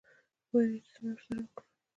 پوهېږې چې څه مې ورسره وکړل.